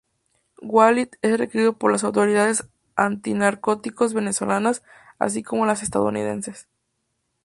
Walid es requerido por las autoridades antinarcóticos venezolanas, así como las estadounidenses.